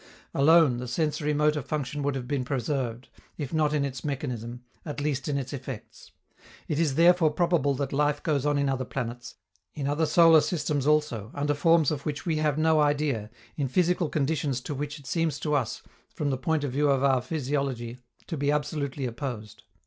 Alone, the sensori motor function would have been preserved, if not in its mechanism, at least in its effects. It is therefore probable that life goes on in other planets, in other solar systems also, under forms of which we have no idea, in physical conditions to which it seems to us, from the point of view of our physiology, to be absolutely opposed.